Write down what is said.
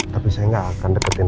tapi saya nggak akan deketin